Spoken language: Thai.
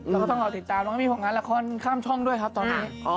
เราก็ต้องรอติดตามเราไม่มีงานละครข้ามช่องด้วยครับตอนนี้